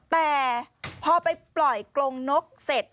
แต่พอไปปล่อยกรงนกเสร็จ